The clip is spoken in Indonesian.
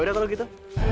ya udah kalau gitu